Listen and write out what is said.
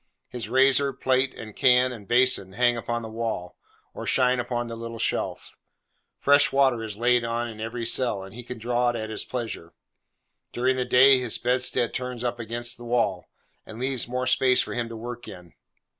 His razor, plate, and can, and basin, hang upon the wall, or shine upon the little shelf. Fresh water is laid on in every cell, and he can draw it at his pleasure. During the day, his bedstead turns up against the wall, and leaves more space for him to work in.